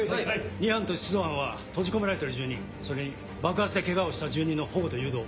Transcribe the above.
２班と出動班は閉じ込められてる住人それに爆発でケガをした住人の保護と誘導を。